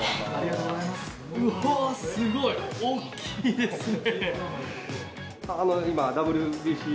うわ、すごい、大きいですね。